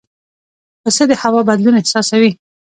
پسه د هوا بدلون احساسوي.